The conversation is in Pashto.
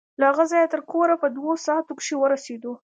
له هغه ځايه تر کوره په دوو ساعتو کښې ورسېدو.